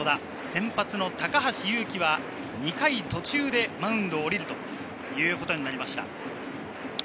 先発・高橋優貴は２回途中でマウンドを降りるということになりました。